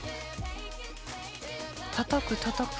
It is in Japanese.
たたくたたく。